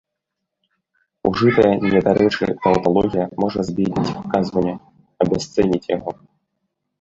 Ужытая недарэчы таўталогія можа збедніць выказванне, абясцэніць яго.